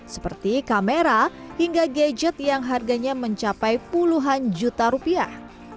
seperti kamera hingga gadget yang harganya mencapai puluhan juta rupiah